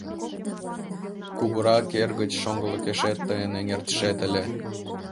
Кугурак эргыч шоҥгылыкешет тыйын эҥертышет ыле...